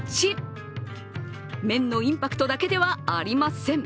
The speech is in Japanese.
麺のインパクトだけではありません。